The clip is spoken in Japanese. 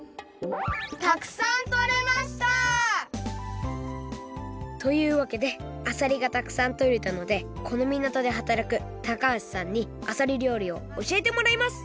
たくさんとれました！というわけであさりがたくさんとれたのでこのみなとではたらく橋さんにあさり料理をおしえてもらいます